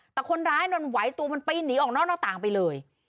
แต่คนร้ายมันไหวตัวมันปีนหนีออกนอกหน้าต่างไปเลย